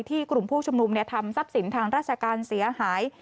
กลุ่มผู้ชุมนุมทำทรัพย์สินทางราชการเสียหาย